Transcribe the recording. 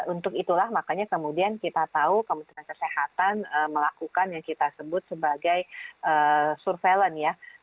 untuk itulah makanya kemudian kita tahu kementerian kesehatan melakukan yang kita sebut sebagai surveillance ya